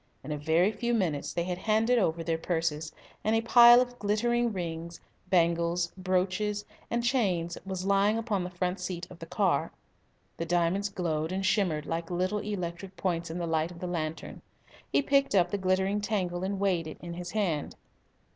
In a very few minutes they had handed over their purses, and a pile of glittering rings, bangles, brooches, and chains was lying upon the front seat of the car. The diamonds glowed and shimmered like little electric points in the light of the lantern. He picked up the glittering tangle and weighed it in his hand.